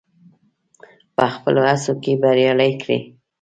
په خپلو هڅو کې بريالی کړي.